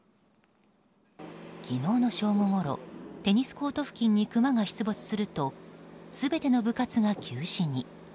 昨日の正午ごろテニスコート付近にクマが出没すると全ての部活が休止に。